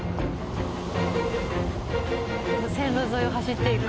線路沿いを走っていく。